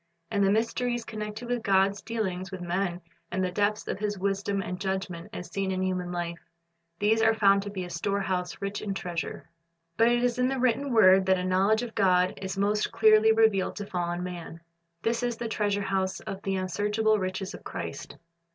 And the mysteries connected with God's dealings with men, the depths of His wisdom and judgment as seen in human life, — these are found to be a storehouse rich in treasure. But it is in the written word that a knowledge of God is most clearly revealed to fallen man. This is the treasure house of the unsearchable riches of Christ.